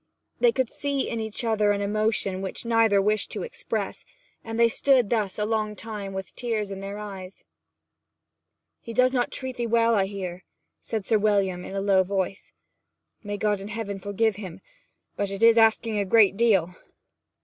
They could see in each other an emotion which neither wished to express, and they stood thus a long time with tears in their eyes. 'He does not treat 'ee well, I hear,' said Sir William in a low voice. 'May God in Heaven forgive him; but it is asking a great deal!'